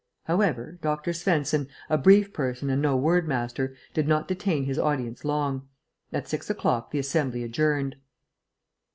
However, Dr. Svensen, a brief person and no word waster, did not detain his audience long. At six o'clock the Assembly adjourned.